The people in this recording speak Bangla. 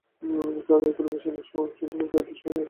এই পরিবেশনা কোম্পানির কয়েকটি সহায়ক প্রযোজনা প্রতিষ্ঠান ছিল।